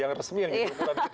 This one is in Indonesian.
yang dihukumkan kita ya